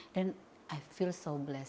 dan saya merasa sangat berkati